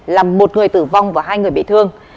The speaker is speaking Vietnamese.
làm một người tử vong và hai người bị thương